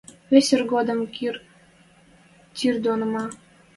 Весиргодым кым тир доно ма?